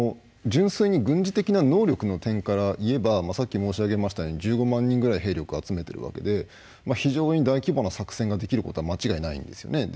純粋に軍事的な能力の点からいえばさっき申し上げましたように１５万人ぐらい兵力を集めているわけで非常に大規模な作戦ができることは間違いないんですね。